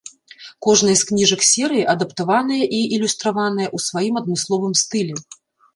Кожная з кніжак серыі адаптаваная і ілюстраваная ў сваім адмысловым стылі.